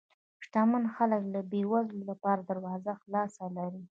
شتمن خلک د بې وزلو لپاره دروازه خلاصه لري.